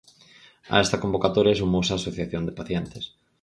A esta convocatoria sumouse a Asociación de Pacientes.